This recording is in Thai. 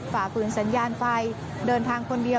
ฝ่าฝืนสัญญาณไฟเดินทางคนเดียว